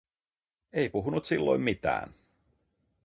Ei puhunut silloin mitään.